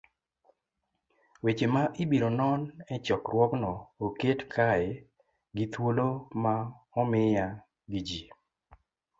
Weche ma ibiro non e chokruogno oket kae gi thuolo ma omiya gi ji